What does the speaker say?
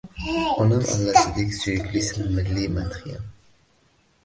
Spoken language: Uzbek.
Onam allasidek suyuklisan, milliy madhiyam